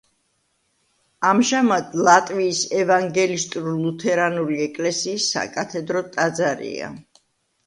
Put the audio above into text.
ამჟამად ლატვიის ევანგელისტურ-ლუთერანული ეკლესიის საკათედრო ტაძარია.